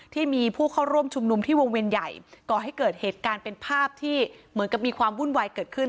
ที่มีผู้เข้าร่วมชุมนุมที่วงเวียนใหญ่ก่อให้เกิดเหตุการณ์เป็นภาพที่เหมือนกับมีความวุ่นวายเกิดขึ้น